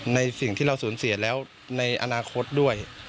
ในสิ่งที่เราสูญเสียแล้วในอนาคตด้วย